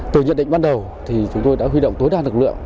từ nhận định bắt đầu chúng tôi đã huy động tối đa lực lượng